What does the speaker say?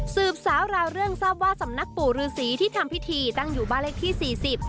สืบสาวราวเรื่องทราบว่าสำนักปู่ฤษีที่ทำพิธีตั้งอยู่บ้านเลขที่สี่สิบ